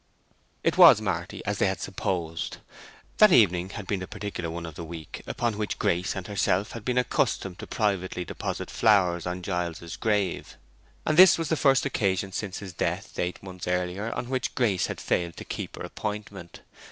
It was Marty, as they had supposed. That evening had been the particular one of the week upon which Grace and herself had been accustomed to privately deposit flowers on Giles's grave, and this was the first occasion since his death, eight months earlier, on which Grace had failed to keep her appointment.